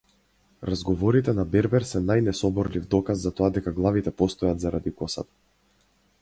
Разговорите на бербер се најнесоборлив доказ за тоа дека главите постојат заради косата.